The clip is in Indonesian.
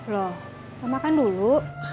loh makan dulu